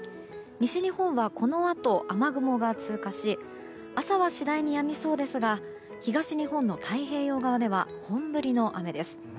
西日本はこのあと雨雲が通過し朝は次第にやみそうですが東日本の太平洋側では本降りの雨です。